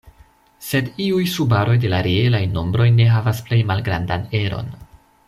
Sed iuj subaroj de la reelaj nombroj ne havas plej malgrandan eron.